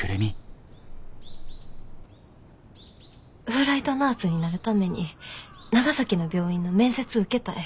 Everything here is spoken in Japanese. フライトナースになるために長崎の病院の面接受けたい。